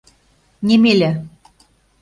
Немеля.